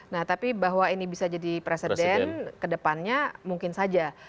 nah tapi bahwa ini bisa jadi presiden kedepannya mungkin saja